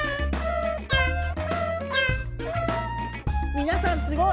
みなさんすごい！